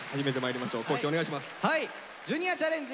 はい「ジュニアチャレンジ」